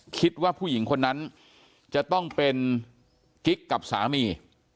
คิดว่าผู้หญิงคนนั้นจะต้องเป็นกิ๊กกับสามี